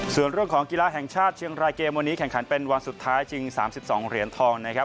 ส่วนเรื่องของกีฬาแห่งชาติเชียงรายเกมวันนี้แข่งขันเป็นวันสุดท้ายชิง๓๒เหรียญทองนะครับ